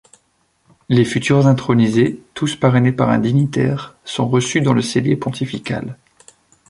Les futurs intronisés, tous parrainés par un dignitaire, sont reçus dans le cellier pontifical.